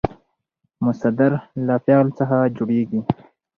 مصدر له فعل څخه جوړېږي.